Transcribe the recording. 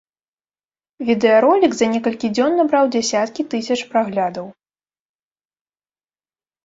Відэаролік за некалькі дзён набраў дзясяткі тысяч праглядаў.